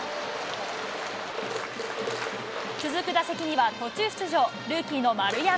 続く打席には、途中出場、ルーキーの丸山。